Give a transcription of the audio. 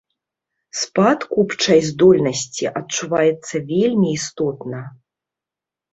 Спад купчай здольнасці адчуваецца вельмі істотна.